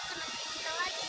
ke negeri kita lagi